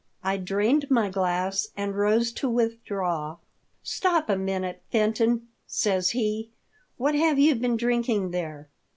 I drained my glass and rose to withdraw. " Stop a minute, Fenton," says he ; "what have you been drinking there